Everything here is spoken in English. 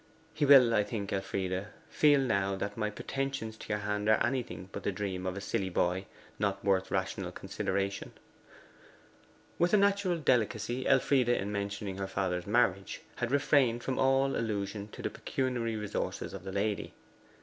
He will, I think, Elfride, feel now that my pretensions to your hand are anything but the dream of a silly boy not worth rational consideration.' With a natural delicacy, Elfride, in mentioning her father's marriage, had refrained from all allusion to the pecuniary resources of the lady.